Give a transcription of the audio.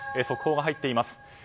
速報が入っています。